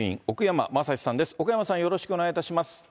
奥山さん、よろしくお願いいたします。